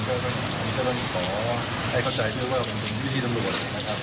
เพราะว่ามันมีวิธีสำรวจนะครับ